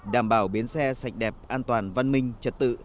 đảm bảo biến xe sạch đẹp an toàn văn minh chật tự